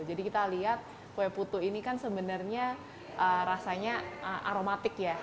jadi kita lihat kue putu ini kan sebenarnya rasanya aromatik ya